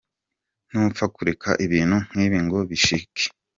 "Ntupfa kureka ibintu nkibi ngo bishike.